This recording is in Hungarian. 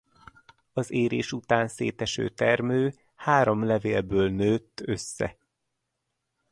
Az érés után széteső termő három levélből nőtt össze.